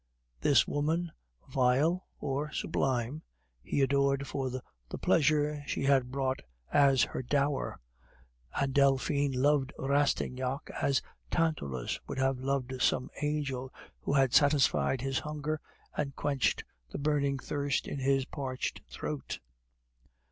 This woman, vile or sublime, he adored for the pleasure she had brought as her dower; and Delphine loved Rastignac as Tantalus would have loved some angel who had satisfied his hunger and quenched the burning thirst in his parched throat.